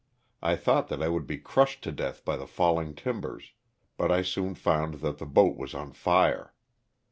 I thought that I would be crushed to death by the falling timbers; but I soon found that the boat was on fire.